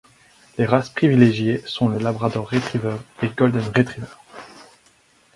Les races privilégiées sont le labrador retriever et golden retriever.